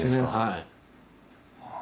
はい。